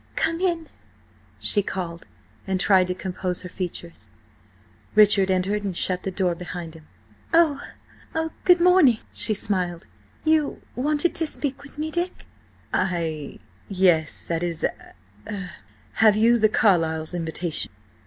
"Come in!" she called, and tried to compose her features. Richard entered and shut the door behind him. "Oh–oh–good morning!" she smiled. "You–wanted to speak with me–Dick?" "I–yes–that is–er–have you the Carlyles' invitation?"